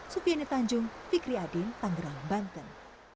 supriya netanjung fikri adin tangerang banten